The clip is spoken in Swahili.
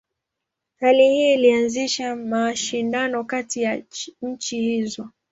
Hali hii ilianzisha mashindano kati ya nchi hizo.